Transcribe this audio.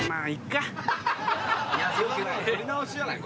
やり直しじゃない？